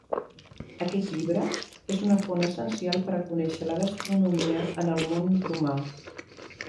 Aquest llibre és una font essencial per a conèixer la gastronomia en el món romà.